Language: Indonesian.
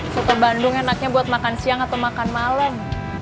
soto bandung enaknya buat makan siang atau makan malam